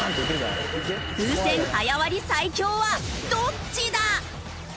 風船早割り最強はどっちだ！？